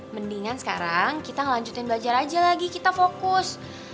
mendingan sekarang kita ngelanjutin belajar aja lagi kita fokus